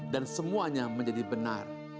dan semuanya menjadi benar